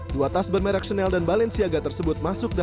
dua tas bermerek channel dan balenciaga tersebut masuk dalam